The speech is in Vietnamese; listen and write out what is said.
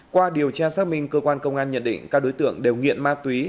qua điều tra xác minh cơ quan công an nhận định các đối tượng đều nghiện ma túy